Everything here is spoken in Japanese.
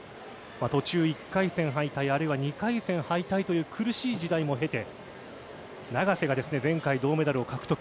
途中、１回戦敗退、あるいは２回戦敗退という苦しい時代も経て、永瀬が前回銅メダルを獲得。